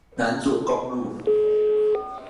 南左公路